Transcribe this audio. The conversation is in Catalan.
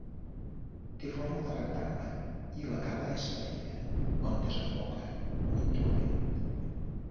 Té forma de rectangle i la cala és petita, on desemboca un torrent.